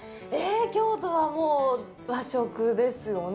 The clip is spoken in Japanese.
京都は、もう和食ですよね。